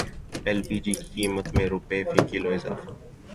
L P G کی قیمت میں روپے فی کلو اضافہ